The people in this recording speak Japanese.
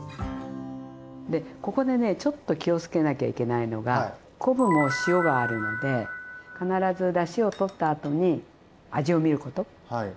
ここでねちょっと気をつけなきゃいけないのが昆布も塩があるので必ずだしを取ったあとに味を見ること。